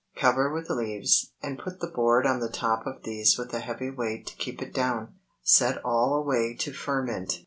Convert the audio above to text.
Cover with leaves, and put the board on the top of these with a heavy weight to keep it down. Set all away to ferment.